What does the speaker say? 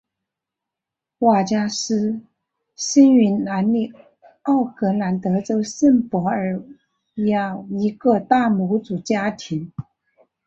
瓦加斯生于南里奥格兰德州圣博尔雅一个大牧主家庭。